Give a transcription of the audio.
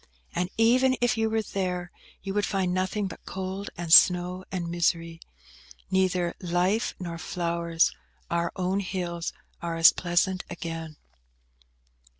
And even if you were there, you would find nothing but cold and snow and misery; neither life nor flowers; our own hills are as pleasant again."